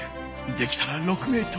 できたら６ｍ。